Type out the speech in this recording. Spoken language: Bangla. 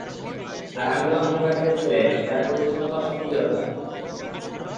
আর আমি হলাম নোংরা কাজের ছেলে, যার পরিচ্ছন্নতা ও শাস্তি দরকার।